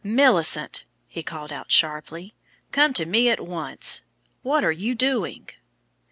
"Millicent," he called out sharply, "come to me at once; what are you doing?"